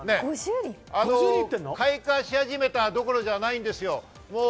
開花し始めたどころじゃないんですよ。